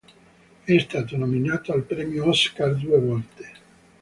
È stato nominato al premio Oscar due volte.